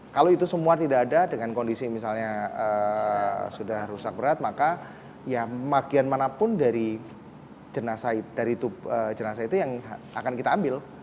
kalau itu semua tidak ada dengan kondisi misalnya sudah rusak berat maka ya bagian manapun dari jenazah itu yang akan kita ambil